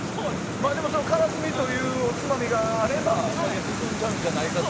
からすみというおつまみがあれば酒が進んじゃうんじゃないかと。